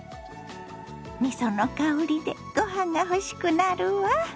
みその香りでご飯が欲しくなるわ。